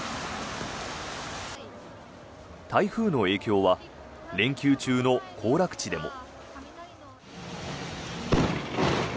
台風の影響は連休中の行楽地でも。